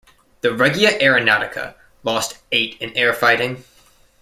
The "Regia Aeronautica" lost eight in air fighting.